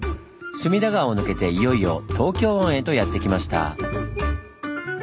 隅田川を抜けていよいよ東京湾へとやって来ました。